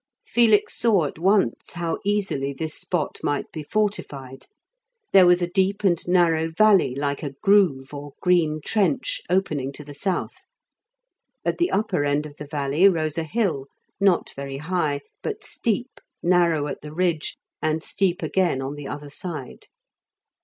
Felix saw at once how easily this spot might be fortified. There was a deep and narrow valley like a groove or green trench opening to the south. At the upper end of the valley rose a hill, not very high, but steep, narrow at the ridge, and steep again on the other side.